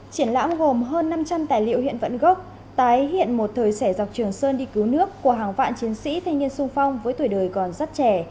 triển lãm gồm hơn năm trăm linh tài liệu hiện vận gốc tái hiện một thời sẻ dọc trường sơn đi cứu nước của hàng vạn chiến sĩ thanh niên sung phong với tuổi đời còn rất trẻ